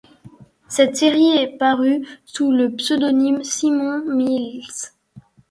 Cette série est parue sous le pseudonyme Simon Myles.